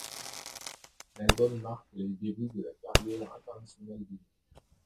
L'album marque les débuts de la carrière internationale du groupe.